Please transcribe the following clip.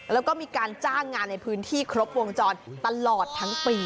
แล้วก็มีการจ้างงานในพื้นที่ครบวงจรตลอดทั้งปี